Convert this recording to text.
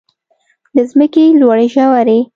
د ځمکې لوړې ژورې.